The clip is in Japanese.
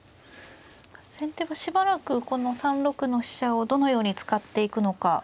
先手はしばらくこの３六の飛車をどのように使っていくのか。